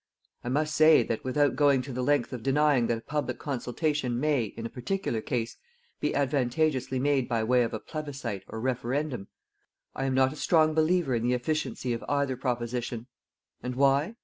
I must say that, without going to the length of denying that a public consultation may, in a particular case, be advantageously made by way of a plebiscit or referendum, I am not a strong believer in the efficiency of either proposition, and why?